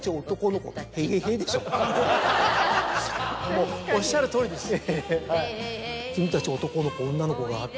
もうおっしゃるとおりです。